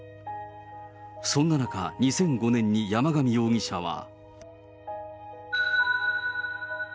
そんな中、２００５年に山上容疑者は。